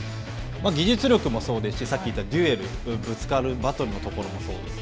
技術力もそうですしさっき言ったデュエル、ぶつかるバトルのところもそうです。